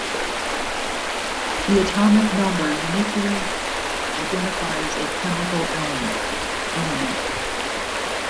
The atomic number uniquely identifies a chemical element.